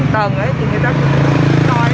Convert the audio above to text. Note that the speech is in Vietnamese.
người ta cũng bảo là tình trạng nó như vậy